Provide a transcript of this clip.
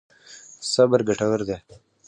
صبر ګټور دی.